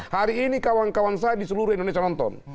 hari ini kawan kawan saya di seluruh indonesia nonton